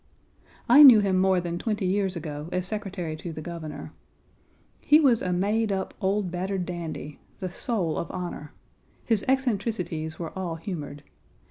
I knew him more than twenty years ago as Secretary to the Governor. He was a made up old battered dandy, the soul of honor. His eccentricities were all humored.